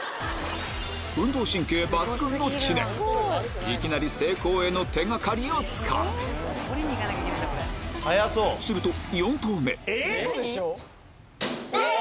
運動神経抜群の知念いきなり成功への手掛かりを掴むするとあっ！